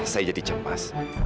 saya jadi cemas